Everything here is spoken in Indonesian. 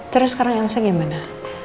terus sekarang elsa gimana